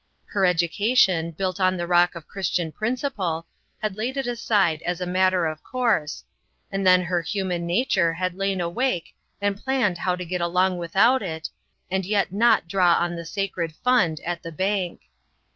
Her educa tion, built on the rock of Christian principle, had laid it aside as a matter of course, and then her human nature had lain awake and planned how to get along without it, and yet not draw on the sacred fund at the bank.